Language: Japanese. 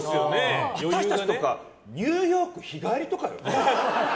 私たちとかニューヨーク日帰りとかよ。